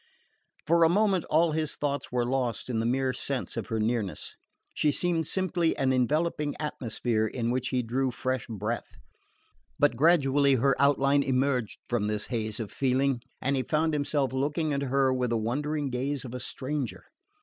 For a moment all his thoughts were lost in the mere sense of her nearness. She seemed simply an enveloping atmosphere in which he drew fresh breath; but gradually her outline emerged from this haze of feeling, and he found himself looking at her with the wondering gaze of a stranger.